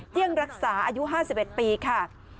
เตรียงรักษาอายุ๕๑ปีค่ะ